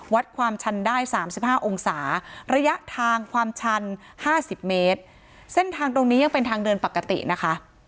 วัดความชันได้๓๕องศาระยะทางความชันห้าสิบเมตรเส้นทางตรงนี้ยังเป็นทางเดินปกตินะคะ